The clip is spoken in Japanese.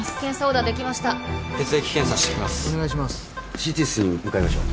ＣＴ室に向かいましょう。